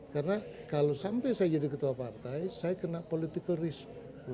karena kalau sampai saya jadi ketua partai saya kena political risk